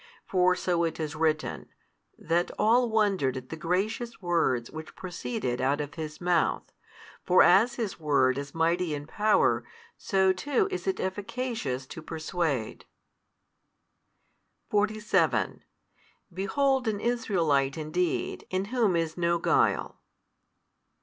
For so it is written, that all wondered at the gracious words which proceeded out of His Mouth. For as His word is mighty in power, so too is it efficacious to persuade. 47 Behold an Israelite indeed, in whom is no guile.